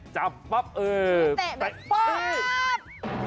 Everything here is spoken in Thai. จับปั๊บเออเตะป๊าบ